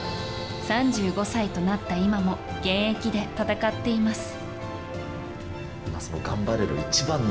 ３５歳となった今も現役で戦っています。